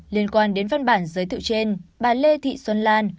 liên quan đến văn bản giới thiệu trên bà lê thị xuân lan